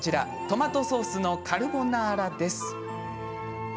トマトソースのカルボナーラです。